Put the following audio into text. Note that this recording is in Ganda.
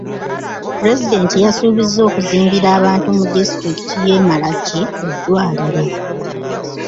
Pulezidenti yasuubiza okuzimbira abantu mu disitulikiti y'e Malachi eddwaliro.